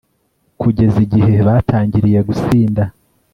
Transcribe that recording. kugeza igihe batangiriye gusinda